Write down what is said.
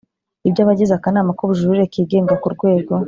Ibyo abagize akanama k ubujurire kigenga ku rwego